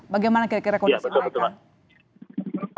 bagaimana kira kira kondisi mereka